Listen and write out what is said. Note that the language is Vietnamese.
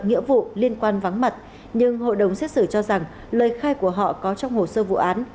nghĩa vụ liên quan vắng mặt nhưng hội đồng xét xử cho rằng lời khai của họ có trong hồ sơ vụ án